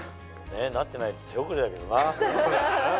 なってないと手遅れだけどな。